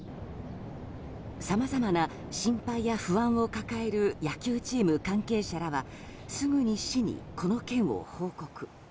さまざまな心配や不安を抱える野球チーム関係者らはすぐに市にこの件を報告。